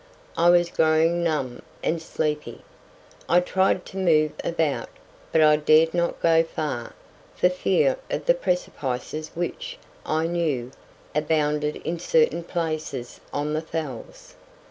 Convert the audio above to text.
I was growing numb and sleepy. I tried to move about, but I dared not go far, for fear of the precipices which, I knew, abounded in certain places on the Fells.